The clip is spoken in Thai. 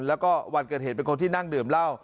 แล้วก็วันเกิดเหตุเป็นคนที่นั่งดื่มเหล้า